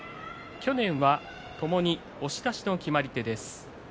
去年はともに押し出しの決まり手です。